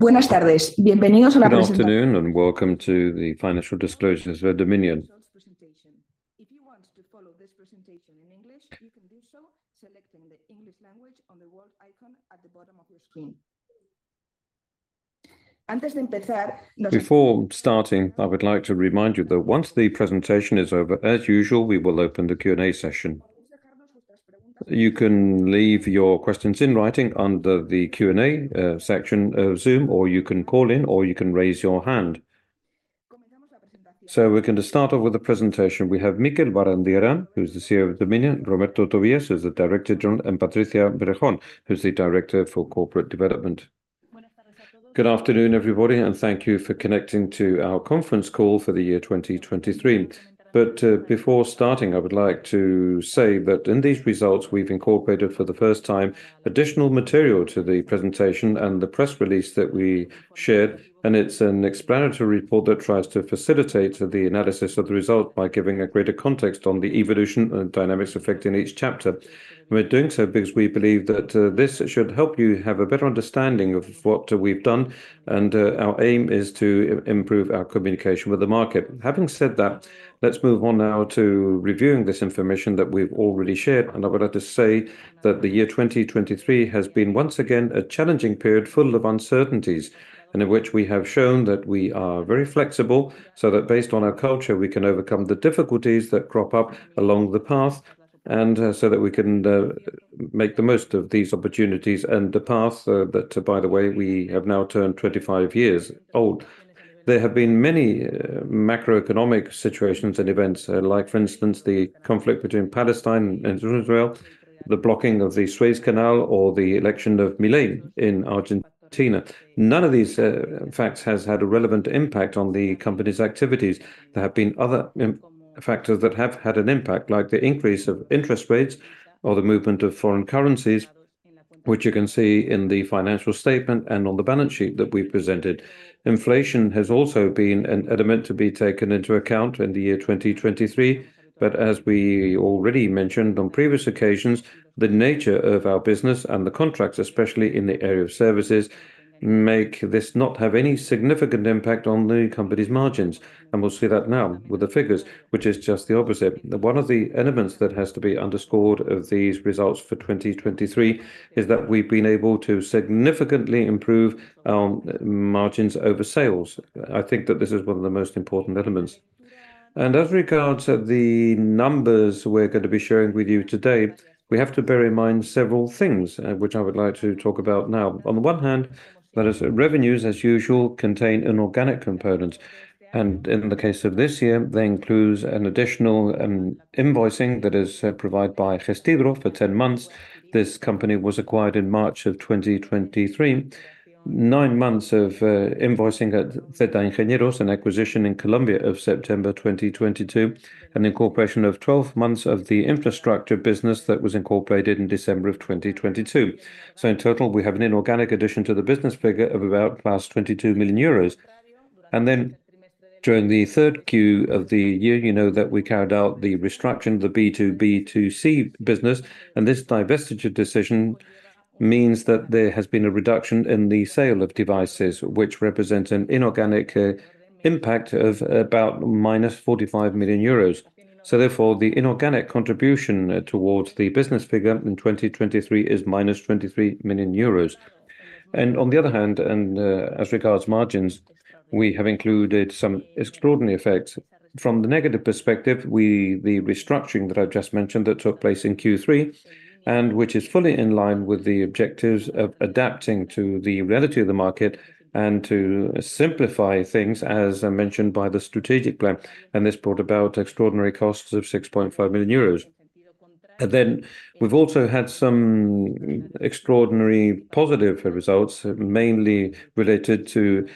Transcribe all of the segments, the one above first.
Good afternoon, and welcome to the financial disclosures for Dominion. If you want to follow this presentation in English, you can do so selecting the English language on the world icon at the bottom of your screen. Antes de empezar - Before starting, I would like to remind you that once the presentation is over, as usual, we will open the Q&A session. You can leave your questions in writing under the Q&A section of Zoom, or you can call in, or you can raise your hand. Comenzamos la presentación. So we're going to start off with the presentation. We have Mikel Barandiaran, who's the CEO of Dominion, Roberto Tobillas, who's the director general, and Patricia Berjón, who's the director for corporate development. Good afternoon, everybody, and thank you for connecting to our conference call for the year 2023. Before starting, I would like to say that in these results, we've incorporated, for the first time, additional material to the presentation and the press release that we shared, and it's an explanatory report that tries to facilitate the analysis of the result by giving a greater context on the evolution and dynamics affecting each chapter. We're doing so because we believe that this should help you have a better understanding of what we've done, and our aim is to improve our communication with the market. Having said that, let's move on now to reviewing this information that we've already shared, and I would like to say that the year 2023 has been, once again, a challenging period full of uncertainties, and in which we have shown that we are very flexible, so that based on our culture, we can overcome the difficulties that crop up along the path, and so that we can make the most of these opportunities and the path that, by the way, we have now turned 25 years old. There have been many macroeconomic situations and events, like, for instance, the conflict between Palestine and Israel, the blocking of the Suez Canal, or the election of Milei in Argentina. None of these facts has had a relevant impact on the company's activities. There have been other important factors that have had an impact, like the increase of interest rates or the movement of foreign currencies, which you can see in the financial statement and on the balance sheet that we presented. Inflation has also been an element to be taken into account in the year 2023, but as we already mentioned on previous occasions, the nature of our business and the contracts, especially in the area of services, make this not have any significant impact on the company's margins. And we'll see that now with the figures, which is just the opposite. One of the elements that has to be underscored of these results for 2023 is that we've been able to significantly improve our margins over sales. I think that this is one of the most important elements. As regards the numbers we're going to be sharing with you today, we have to bear in mind several things, which I would like to talk about now. On the one hand, that is, revenues, as usual, contain inorganic components, and in the case of this year, they include an additional invoicing that is provided by Gesthidro for 10 months. This company was acquired in March 2023. Nine months of invoicing at ZH Ingenieros, an acquisition in Colombia of September 2022, and incorporation of 12 months of the infrastructure business that was incorporated in December 2022. So in total, we have an inorganic addition to the business figure of about +22 million euros. Then, during the third Q of the year, you know that we carried out the restructuring of the B2B2C business, and this divestiture decision means that there has been a reduction in the sale of devices, which represents an inorganic impact of about minus 45 million euros. Therefore, the inorganic contribution towards the business figure in 2023 is minus 23 million euros. On the other hand, as regards margins, we have included some extraordinary effects. From the negative perspective, the restructuring that I just mentioned, that took place in Q3, and which is fully in line with the objectives of adapting to the reality of the market and to simplify things, as mentioned by the strategic plan. And this brought about extraordinary costs of 6.5 million euros. And then, we've also had some extraordinary positive results, mainly related to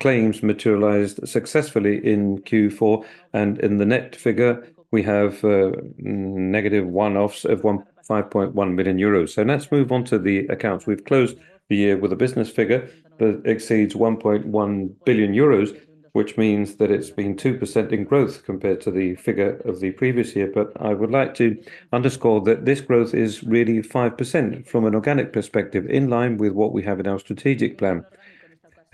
claims materialized successfully in Q4, and in the net figure, we have negative one-offs of 5.1 million euros. So let's move on to the accounts. We've closed the year with a business figure that exceeds 1.1 billion euros, which means that it's been 2% in growth compared to the figure of the previous year. But I would like to underscore that this growth is really 5% from an organic perspective, in line with what we have in our strategic plan.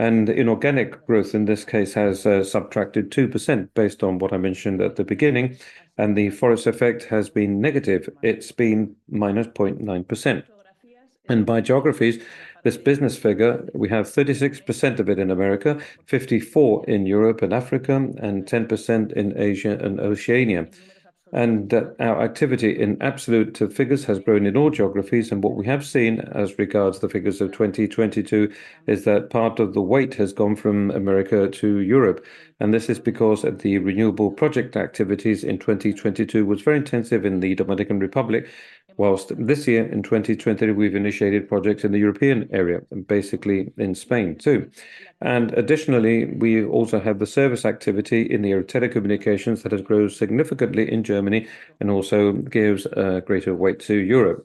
And inorganic growth, in this case, has subtracted 2%, based on what I mentioned at the beginning, and the Forex effect has been negative. It's been -0.9%. By geographies, this business figure, we have 36% of it in America, 54% in Europe and Africa, and 10% in Asia and Oceania. Our activity in absolute figures has grown in all geographies, and what we have seen as regards the figures of 2022 is that part of the weight has gone from America to Europe, and this is because of the renewable project activities in 2022 was very intensive in the Dominican Republic, while this year, in 2023, we've initiated projects in the European area, and basically in Spain, too. Additionally, we also have the service activity in the telecommunications that has grown significantly in Germany and also gives a greater weight to Europe.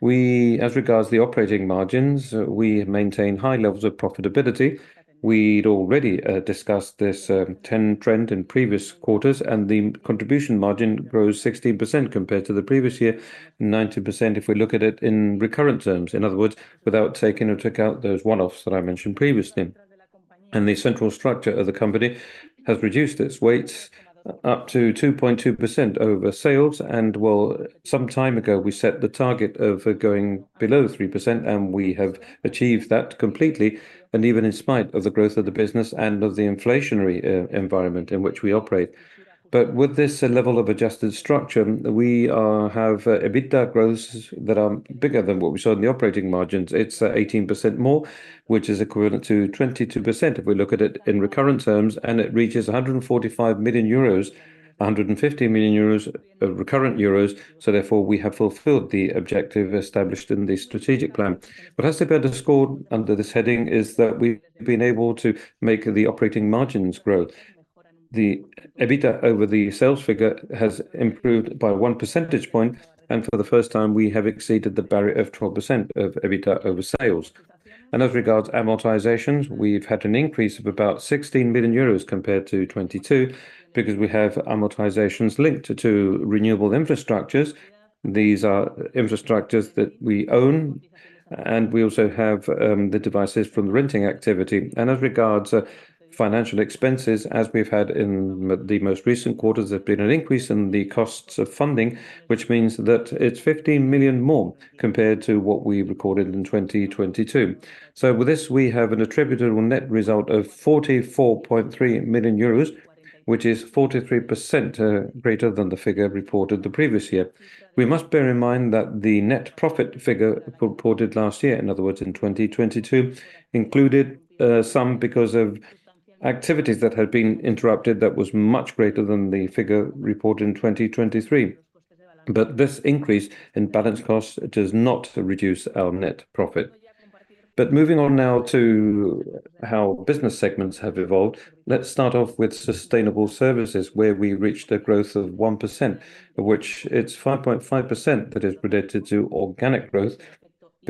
We, as regards the operating margins, we maintain high levels of profitability. We'd already discussed this 10 trend in previous quarters, and the contribution margin grows 16% compared to the previous year, and 90% if we look at it in recurrent terms. In other words, without taking or took out those one-offs that I mentioned previously. The central structure of the company has reduced its weights up to 2.2% over sales, and, well, some time ago, we set the target of going below 3%, and we have achieved that completely, and even in spite of the growth of the business and of the inflationary environment in which we operate. But with this level of adjusted structure, we have EBITDA growths that are bigger than what we saw in the operating margins. It's 18% more, which is equivalent to 22% if we look at it in recurrent terms, and it reaches 145 million euros, 150 million euros, recurrent EUR. So therefore, we have fulfilled the objective established in the strategic plan. What has to be underscored under this heading is that we've been able to make the operating margins grow. The EBITDA over the sales figure has improved by one percentage point, and for the first time, we have exceeded the barrier of 12% of EBITDA over sales. As regards amortizations, we've had an increase of about 16 million euros compared to 2022, because we have amortizations linked to two renewable infrastructures. These are infrastructures that we own, and we also have the devices from the renting activity. As regards financial expenses, as we've had in the most recent quarters, there's been an increase in the costs of funding, which means that it's 15 million more compared to what we recorded in 2022. With this, we have an attributable net result of 44.3 million euros, which is 43% greater than the figure reported the previous year. We must bear in mind that the net profit figure reported last year, in other words, in 2022, included some because of activities that had been interrupted, that was much greater than the figure reported in 2023. This increase in balance costs does not reduce our net profit. Moving on now to how business segments have evolved, let's start off with Sustainable Services, where we reached a growth of 1%, which it's 5.5% that is related to organic growth,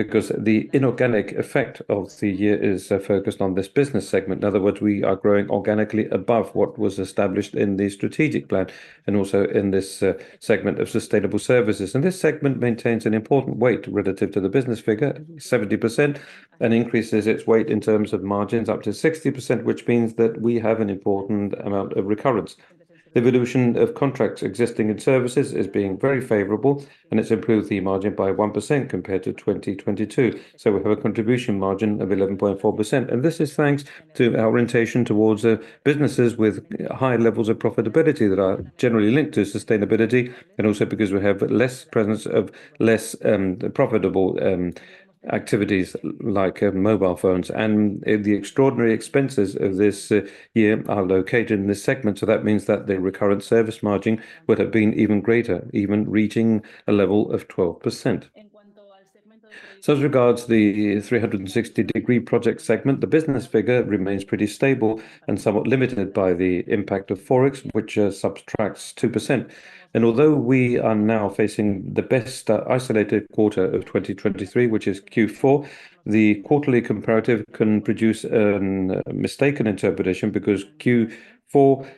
because the inorganic effect of the year is focused on this business segment. In other words, we are growing organically above what was established in the strategic plan and also in this segment of Sustainable Services. This segment maintains an important weight relative to the business figure, 70%, and increases its weight in terms of margins up to 60%, which means that we have an important amount of recurrence. The evolution of contracts existing in services is being very favorable, and it's improved the margin by 1% compared to 2022. So we have a contribution margin of 11.4%, and this is thanks to our orientation towards businesses with high levels of profitability that are generally linked to sustainability, and also because we have less presence of less profitable activities like mobile phones. And the extraordinary expenses of this year are located in this segment, so that means that the recurrent service margin would have been even greater, even reaching a level of 12%. So as regards the 360° project segment, the business figure remains pretty stable and somewhat limited by the impact of Forex, which subtracts 2%. Although we are now facing the best, isolated quarter of 2023, which is Q4, the quarterly comparative can produce a mistaken interpretation, because Q4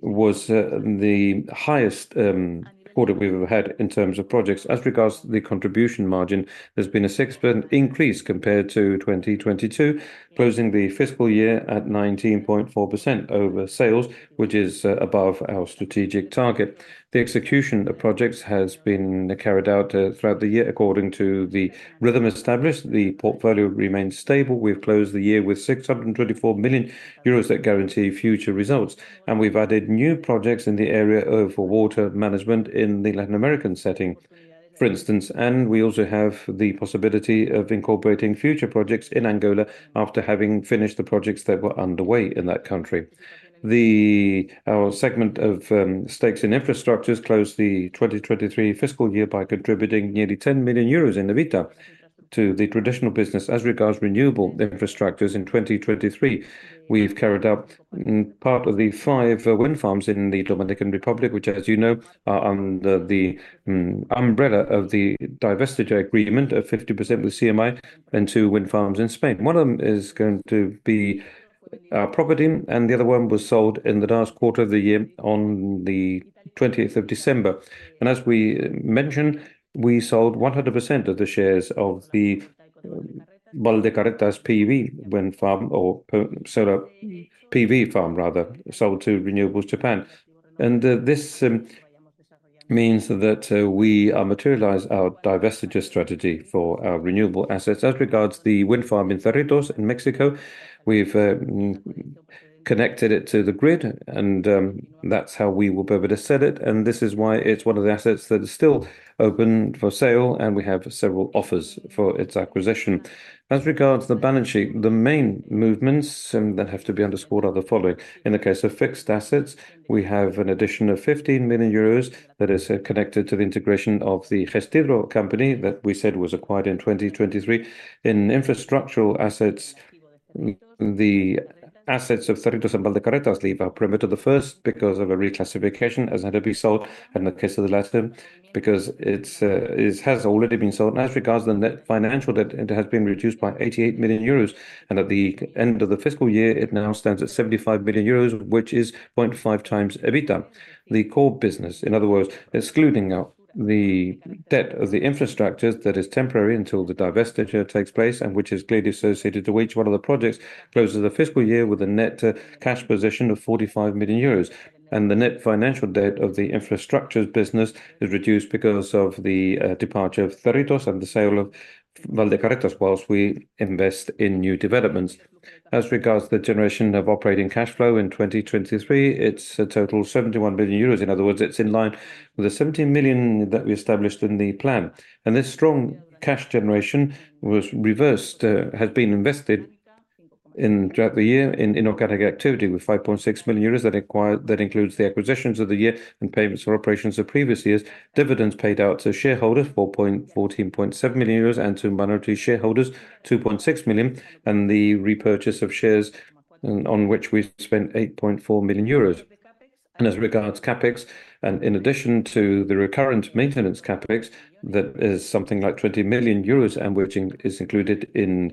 was the highest quarter we've ever had in terms of projects. As regards to the contribution margin, there's been a 6% increase compared to 2022, closing the fiscal year at 19.4% over sales, which is above our strategic target. The execution of projects has been carried out throughout the year. According to the rhythm established, the portfolio remains stable. We've closed the year with 624 million euros that guarantee future results, and we've added new projects in the area of water management in the Latin American setting, for instance. We also have the possibility of incorporating future projects in Angola after having finished the projects that were underway in that country. Our segment of stakes in infrastructures closed the 2023 fiscal year by contributing nearly 10 million euros in EBITDA to the traditional business. As regards renewable infrastructures in 2023, we've carried out part of the 5 wind farms in the Dominican Republic, which, as you know, are under the umbrella of the divestiture agreement of 50% with CMI and 2 wind farms in Spain. One of them is going to be property, and the other one was sold in the last quarter of the year on the 20th of December. As we mentioned, we sold 100% of the shares of the Valdecarretas PV wind farm or, rather, solar PV farm, sold to Renewable Japan. And, this means that we are materialize our divestiture strategy for our renewable assets. As regards the wind farm in Cerritos, in Mexico, we've connected it to the grid, and that's how we will be able to sell it, and this is why it's one of the assets that is still open for sale, and we have several offers for its acquisition. As regards to the balance sheet, the main movements that have to be underscored are the following: In the case of fixed assets, we have an addition of 15 million euros that is connected to the integration of the Gesthidro company that we said was acquired in 2023. In infrastructural assets. The assets of Cerritos and Valdecarretas leave our perimeter the first, because of a reclassification, as had to be sold, and the case of the latter, because it's, it has already been sold. As regards the net financial debt, it has been reduced by 88 million euros, and at the end of the fiscal year, it now stands at 75 million euros, which is 0.5 times EBITDA. The core business, in other words, excluding out the debt of the infrastructures that is temporary until the divestiture takes place, and which is clearly associated to each one of the projects, closes the fiscal year with a net, cash position of 45 million euros. The net financial debt of the infrastructures business is reduced because of the, departure of Cerritos and the sale of Valdecarretas, while we invest in new developments. As regards to the generation of operating cash flow in 2023, it's a total of 71 billion euros. In other words, it's in line with the 17 million that we established in the plan. This strong cash generation was reversed, has been invested in, throughout the year in, in organic activity, with 5.6 million euros that includes the acquisitions of the year and payments for operations of previous years, dividends paid out to shareholders, 14.7 million euros, and to minority shareholders, 2.6 million, and the repurchase of shares, on which we spent 8.4 million euros. As regards CapEx, and in addition to the recurrent maintenance CapEx, that is something like 20 million euros, and which is included in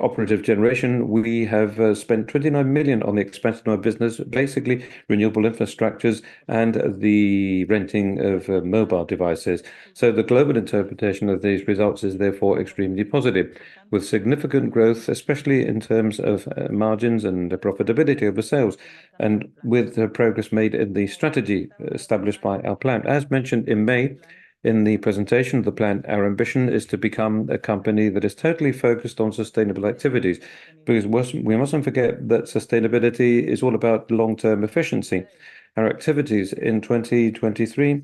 operative generation, we have spent 29 million on the expansion of our business, basically renewable infrastructures and the renting of mobile devices. The global interpretation of these results is therefore extremely positive, with significant growth, especially in terms of margins and the profitability of the sales, and with the progress made in the strategy established by our plan. As mentioned in May, in the presentation of the plan, our ambition is to become a company that is totally focused on sustainable activities, because we mustn't, we mustn't forget that sustainability is all about long-term efficiency. Our activities in 2023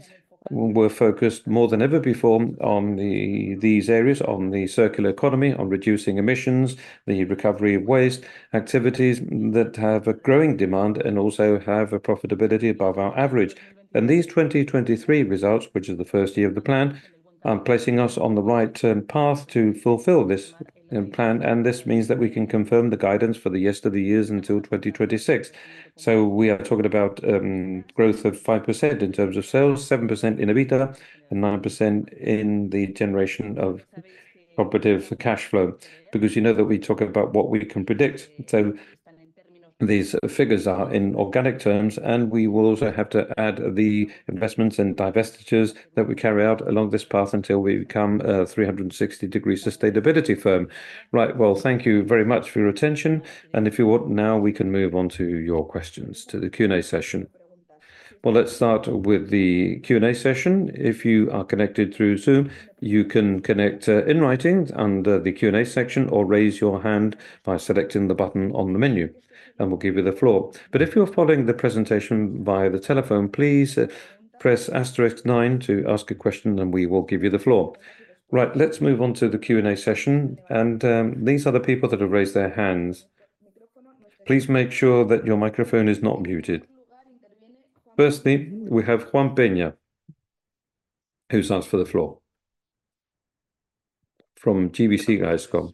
were focused more than ever before on these areas, on the circular economy, on reducing emissions, the recovery of waste, activities that have a growing demand and also have a profitability above our average. These 2023 results, which is the first year of the plan, are placing us on the right path to fulfill this plan, and this means that we can confirm the guidance for the rest of the years until 2026. We are talking about growth of 5% in terms of sales, 7% in EBITDA, and 9% in the generation of operative cash flow. Because you know that we talk about what we can predict, so these figures are in organic terms, and we will also have to add the investments and divestitures that we carry out along this path until we become a 360-degree sustainability firm. Right, well, thank you very much for your attention, and if you want, now we can move on to your questions, to the Q&A session. Well, let's start with the Q&A session. If you are connected through Zoom, you can connect in writing under the Q&A section, or raise your hand by selecting the button on the menu, and we'll give you the floor. But if you're following the presentation via the telephone, please, press asterisk nine to ask a question, and we will give you the floor. Right, let's move on to the Q&A session, and these are the people that have raised their hands. Please make sure that your microphone is not muted. Firstly, we have Juan Peña, who asks for the floor, from GVC Gaesco.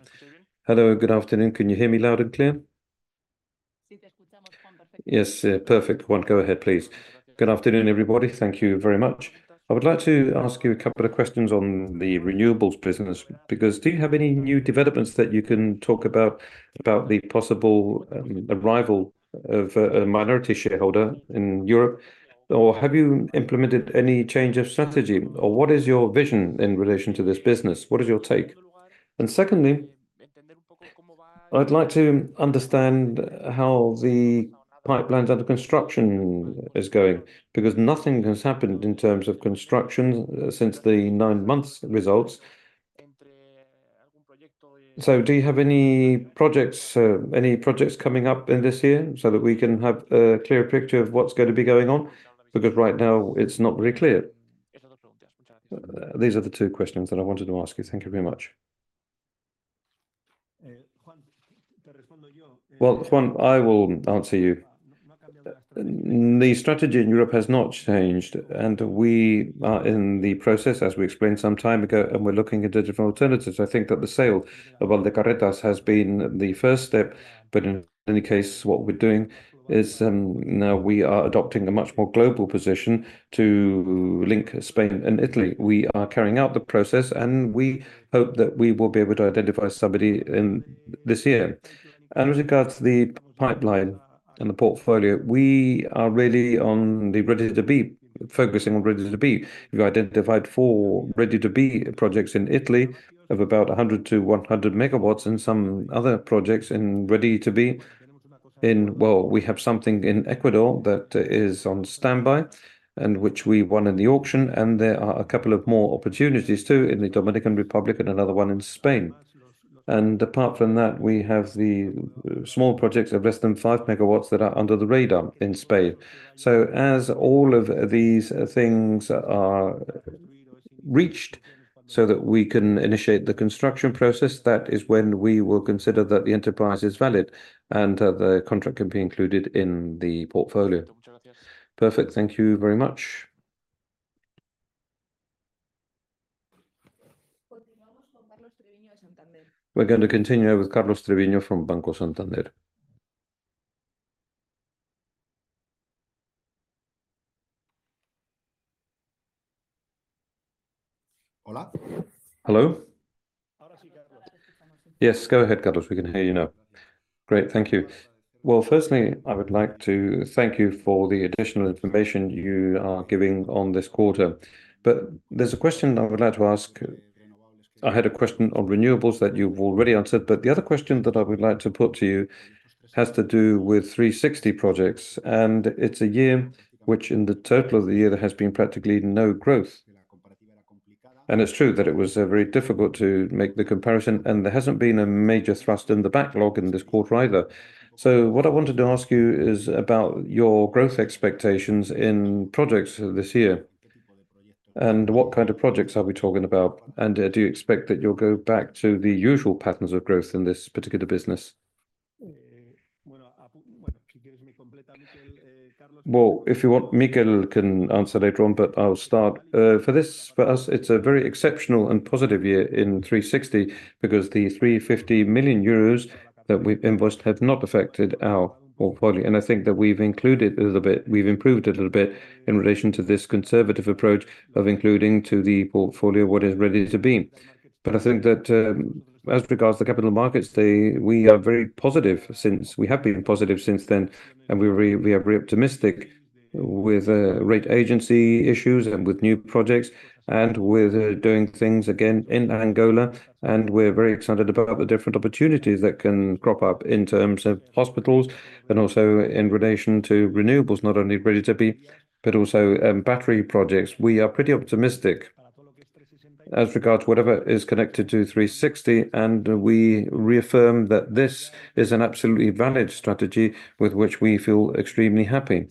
Hello, good afternoon. Can you hear me loud and clear? Yes, perfect, Juan. Go ahead, please. Good afternoon, everybody. Thank you very much. I would like to ask you a couple of questions on the renewables business, because do you have any new developments that you can talk about, about the possible arrival of a minority shareholder in Europe? Or have you implemented any change of strategy, or what is your vision in relation to this business? What is your take? Secondly, I'd like to understand how the pipelines under construction is going, because nothing has happened in terms of construction since the nine months results. So do you have any projects, any projects coming up in this year, so that we can have a clear picture of what's going to be going on? Because right now, it's not very clear. These are the two questions that I wanted to ask you. Thank you very much. Well, Juan, I will answer you. The strategy in Europe has not changed, and we are in the process, as we explained some time ago, and we're looking at different alternatives. I think that the sale of Valdecarretas has been the first step, but in any case, what we're doing is, now we are adopting a much more global position to link Spain and Italy. We are carrying out the process, and we hope that we will be able to identify somebody in this year. With regards to the pipeline and the portfolio, we are really on the Ready-to-Build, focusing on Ready-to-Build. We've identified four Ready-to-Build projects in Italy of about 100-100 megawatts, and some other projects in Ready-to-Build in. Well, we have something in Ecuador that is on standby and which we won in the auction, and there are a couple of more opportunities, too, in the Dominican Republic and another one in Spain. Apart from that, we have the small projects of less than five megawatts that are under the radar in Spain. So as all of these things are reached so that we can initiate the construction process, that is when we will consider that the enterprise is valid and, the contract can be included in the portfolio. Perfect. Thank you very much. We're going to continue with Carlos Treviño from Banco Santander. Hola. Hello? Yes, go ahead, Carlos. We can hear you now. Great, thank you. Well, firstly, I would like to thank you for the additional information you are giving on this quarter. But there's a question I would like to ask. I had a question on renewables that you've already answered, but the other question that I would like to put to you has to do with 360 projects, and it's a year which in the total of the year, there has been practically no growth. It's true that it was very difficult to make the comparison, and there hasn't been a major thrust in the backlog in this quarter either. What I wanted to ask you is about your growth expectations in projects this year, and what kind of projects are we talking about? Do you expect that you'll go back to the usual patterns of growth in this particular business? Well, if you want, Miguel can answer later on, but I'll start. For this, for us, it's a very exceptional and positive year in 360 because the 350 million euros that we've invoiced have not affected our portfolio, and I think that we've included a little bit—we've improved a little bit in relation to this conservative approach of including to the portfolio what is ready to be. But I think that, as regards to capital markets, we are very positive. We have been positive since then, and we're very, we are very optimistic with rating agency issues and with new projects, and we're doing things again in Angola, and we're very excited about the different opportunities that can crop up in terms of hospitals and also in relation to renewables, not only ready-to-build, but also battery projects. We are pretty optimistic as regards to whatever is connected to 360°, and we reaffirm that this is an absolutely valid strategy with which we feel extremely happy.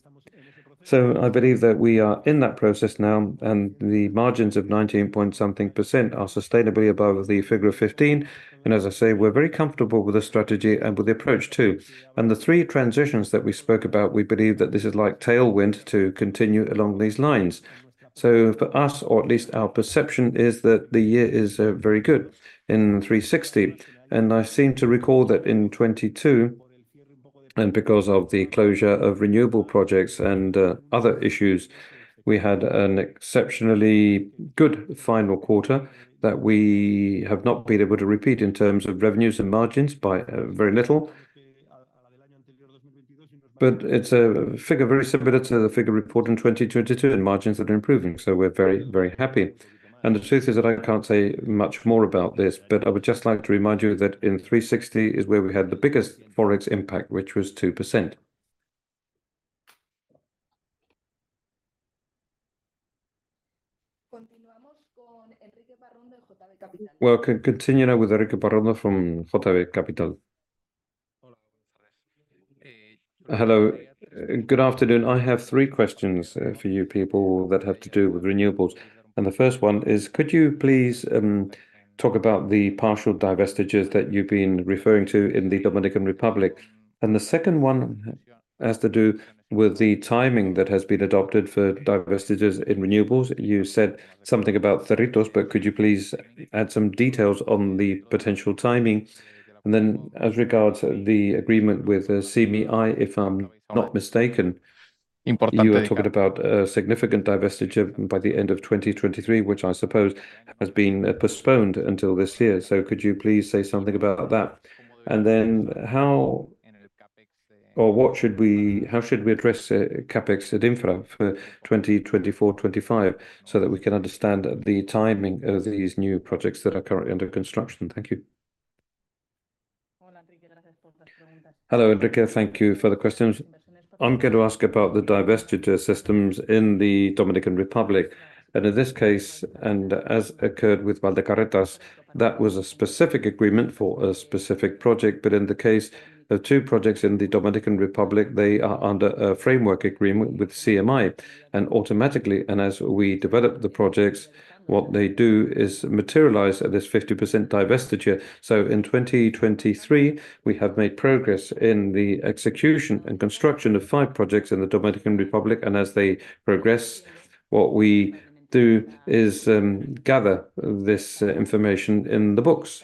So I believe that we are in that process now, and the margins of 19 point something percent are sustainably above the figure of 15. And as I say, we're very comfortable with the strategy and with the approach, too. The three transitions that we spoke about, we believe that this is like tailwind to continue along these lines. So for us, or at least our perception, is that the year is very good in 360, and I seem to recall that in 2022, and because of the closure of renewable projects and other issues, we had an exceptionally good final quarter that we have not been able to repeat in terms of revenues and margins by very little. But it's a figure very similar to the figure reported in 2022, and margins are improving, so we're very, very happy. And the truth is that I can't say much more about this, but I would just like to remind you that in 360 is where we had the biggest Forex impact, which was 2%. We're continuing now with Enrique Parrondo from JB Capital. Hello, good afternoon. I have three questions for you people that have to do with renewables. And the first one is, could you please talk about the partial divestitures that you've been referring to in the Dominican Republic? And the second one has to do with the timing that has been adopted for divestitures in renewables. You said something about Cerritos, but could you please add some details on the potential timing? And then as regards the agreement with CMI, if I'm not mistaken, you were talking about a significant divestiture by the end of 2023, which I suppose has been postponed until this year. So could you please say something about that? And then how or what should we—how should we address CapEx at Infra for 2024, 2025, so that we can understand the timing of these new projects that are currently under construction? Thank you. Hello, Enrique. Thank you for the questions. I'm going to ask about the divestiture systems in the Dominican Republic, and in this case, and as occurred with Valdecarretas, that was a specific agreement for a specific project. But in the case of two projects in the Dominican Republic, they are under a framework agreement with CMI. And automatically, and as we develop the projects, what they do is materialize this 50% divestiture. So in 2023, we have made progress in the execution and construction of five projects in the Dominican Republic, and as they progress, what we do is gather this information in the books,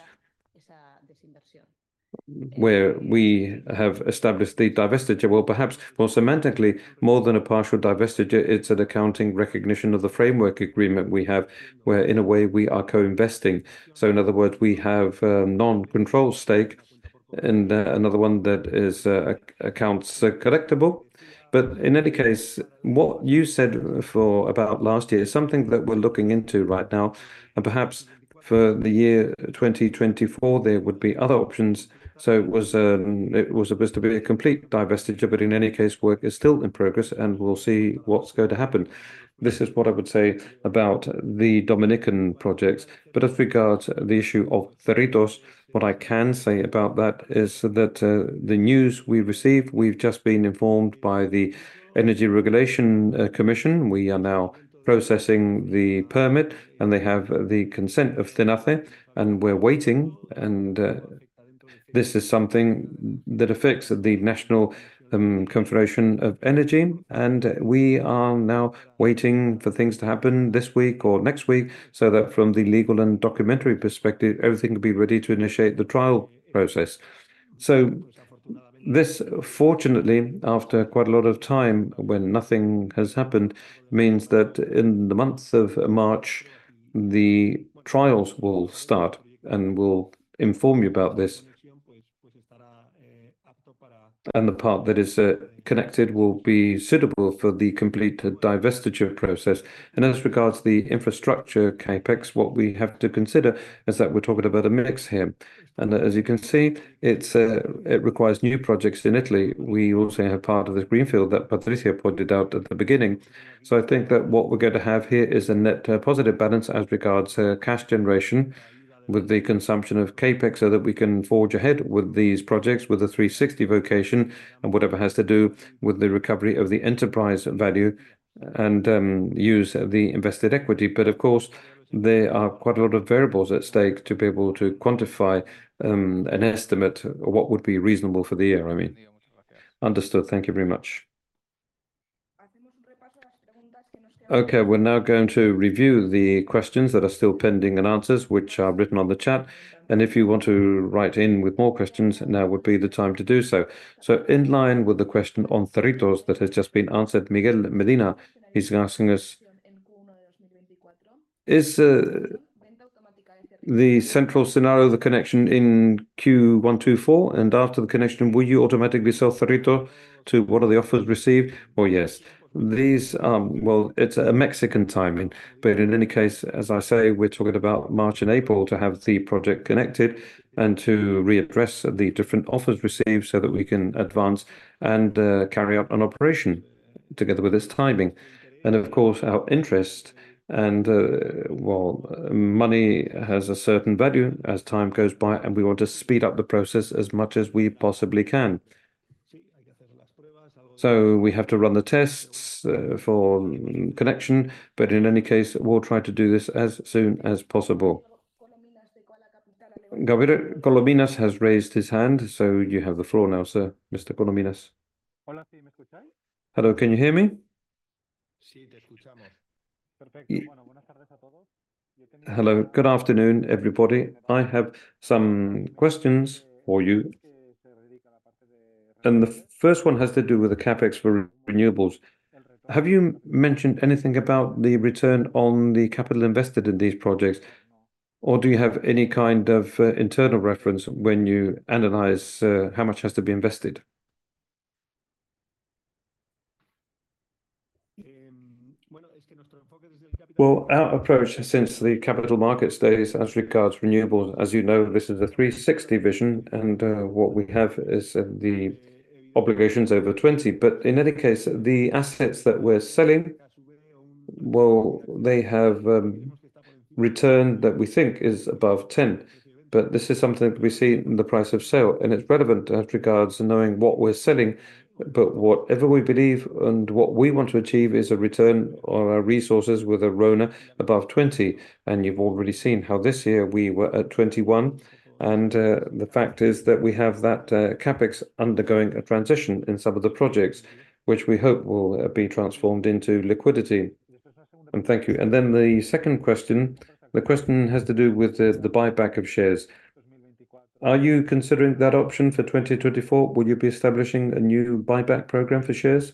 where we have established the divestiture. Well, perhaps more semantically, more than a partial divestiture, it's an accounting recognition of the framework agreement we have, where, in a way, we are co-investing. So in other words, we have non-control stake and another one that is accounts collectible. But in any case, what you said for about last year is something that we're looking into right now, and perhaps for the year 2024, there would be other options. So it was supposed to be a complete divestiture, but in any case, work is still in progress, and we'll see what's going to happen. This is what I would say about the Dominican projects, but as regards the issue of Cerritos, what I can say about that is that, the news we received, we've just been informed by the Energy Regulation Commission, we are now processing the permit, and they have the consent of CENACE, and we're waiting. This is something that affects the National Confederation of Energy, and we are now waiting for things to happen this week or next week, so that from the legal and documentary perspective, everything will be ready to initiate the trial process. So this, fortunately, after quite a lot of time when nothing has happened, means that in the months of March, the trials will start, and we'll inform you about this. And the part that is connected will be suitable for the complete divestiture process. As regards to the infrastructure CapEx, what we have to consider is that we're talking about a mix here. As you can see, it requires new projects in Italy. We also have part of the greenfield that Patricia pointed out at the beginning. So I think that what we're going to have here is a net positive balance as regards to cash generation, with the consumption of CapEx, so that we can forge ahead with these projects, with a 360 vocation, and whatever has to do with the recovery of the enterprise value and use the invested equity. But of course, there are quite a lot of variables at stake to be able to quantify an estimate of what would be reasonable for the year, I mean. Understood. Thank you very much. Okay, we're now going to review the questions that are still pending and answers, which are written on the chat, and if you want to write in with more questions, now would be the time to do so. So in line with the question on Cerritos that has just been answered, Miguel Medina is asking us, "Is the central scenario the connection in Q1 2024? And after the connection, will you automatically sell Cerritos to. What are the offers received?" Oh, yes. These. Well, it's a Mexican timing, but in any case, as I say, we're talking about March and April to have the project connected and to readdress the different offers received, so that we can advance and carry out an operation together with this timing. Of course, our interest and, well, money has a certain value as time goes by, and we want to speed up the process as much as we possibly can. So we have to run the tests for connection, but in any case, we'll try to do this as soon as possible. Gabriel Colominas has raised his hand, so you have the floor now, sir, Mr. Colominas. Hello, can you hear me? Hello, good afternoon, everybody. I have some questions for you, and the first one has to do with the CapEx for renewables. Have you mentioned anything about the return on the capital invested in these projects, or do you have any kind of internal reference when you analyze how much has to be invested? Well, our approach since the capital markets days, as regards renewables, as you know, this is a 360 vision, and what we have is the obligations over 20. But in any case, the assets that we're selling, well, they have return that we think is above 10, but this is something we see in the price of sale, and it's relevant as regards to knowing what we're selling. But whatever we believe and what we want to achieve is a return on our resources with a RONA above 20, and you've already seen how this year we were at 21. And the fact is that we have that CapEx undergoing a transition in some of the projects, which we hope will be transformed into liquidity. And thank you. Then the second question, the question has to do with the buyback of shares. Are you considering that option for 2024? Will you be establishing a new buyback program for shares?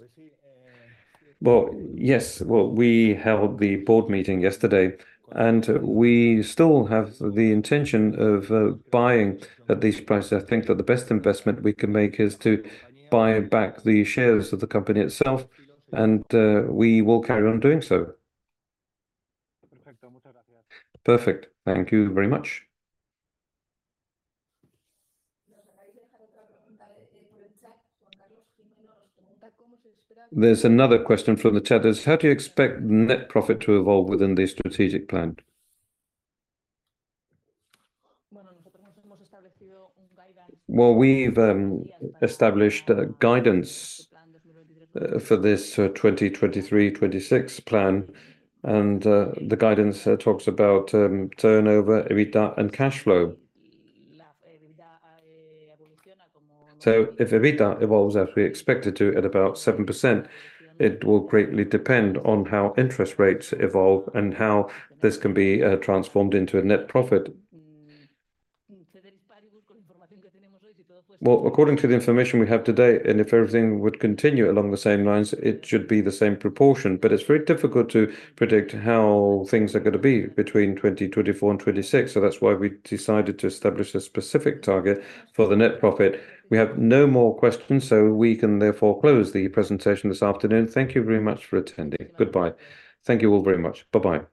Well, yes. Well, we held the board meeting yesterday, and we still have the intention of buying at these prices. I think that the best investment we can make is to buy back the shares of the company itself, and we will carry on doing so. Perfect. Thank you very much. There's another question from the chat: How do you expect net profit to evolve within the strategic plan? Well, we've established a guidance for this 2023-2026 plan, and the guidance talks about turnover, EBITDA, and cash flow. So if EBITDA evolves as we expect it to at about 7%, it will greatly depend on how interest rates evolve and how this can be transformed into a net profit. Well, according to the information we have today, and if everything would continue along the same lines, it should be the same proportion, but it's very difficult to predict how things are gonna be between 2024 and 2026. So that's why we decided to establish a specific target for the net profit. We have no more questions, so we can therefore close the presentation this afternoon. Thank you very much for attending. Goodbye. Thank you all very much. Bye-bye.